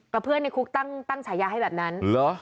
เพื่อนในคุกตั้งฉายาให้แบบนั้นเหรอ